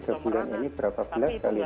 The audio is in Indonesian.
selama tiga bulan ini berapa pilihan